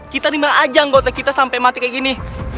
kita nih mah ajang gote kita sampai mati kayak gini